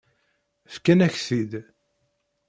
Fkan-ak-t-id.